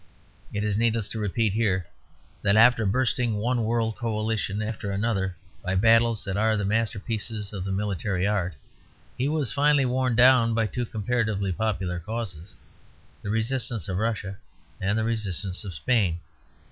It is needless to repeat here that after bursting one world coalition after another by battles that are the masterpieces of the military art, he was finally worn down by two comparatively popular causes, the resistance of Russia and the resistance of Spain.